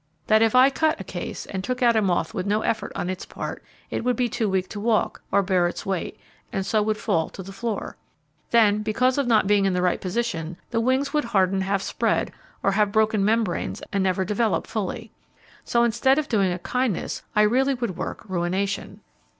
That if I cut a case, and took out a moth with no effort on its part, it would be too weak to walk, or bear its weight, and so would fall to the floor. Then because of not being in the right position, the wings would harden half spread, or have broken membranes and never develop fully. So instead of doing a kindness I really would work ruination.